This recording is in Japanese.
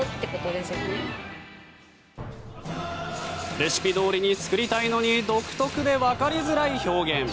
レシピどおりに作りたいのに独特でわかりづらい表現。